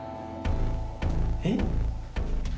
「えっ？」